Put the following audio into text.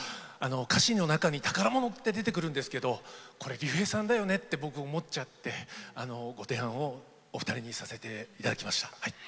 歌詞の中に「宝物」って出てくるんですけどこれ竜平さんだよねって僕思っちゃってご提案をお二人にさせていただきました。